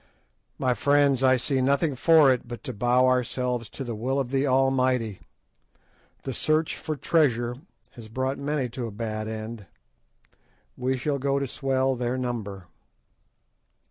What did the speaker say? My friends, I see nothing for it but to bow ourselves to the will of the Almighty. The search for treasure has brought many to a bad end; we shall go to swell their number."